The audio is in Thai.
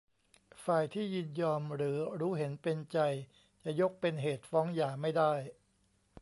ฝ่ายที่ยินยอมหรือรู้เห็นเป็นใจจะยกเป็นเหตุฟ้องหย่าไม่ได้